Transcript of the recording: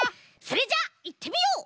それじゃあいってみよう！